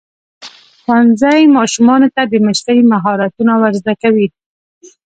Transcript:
ښوونځی ماشومانو ته د مشرۍ مهارتونه ورزده کوي.